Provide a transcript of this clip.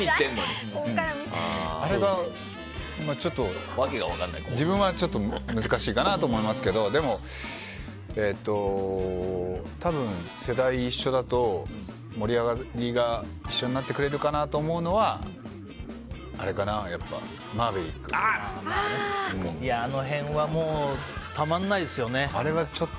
あれが、自分はちょっと難しいかなと思いますけどでも多分、世代が一緒だと盛り上がりが一緒になってくれるかなと思うのはあの辺はもうたまんないですね。